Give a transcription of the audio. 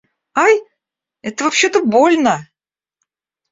Ай! Это вообще-то больно!